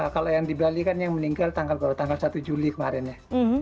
kalau yang di bali kan yang meninggal pada tanggal satu juli kemarin ya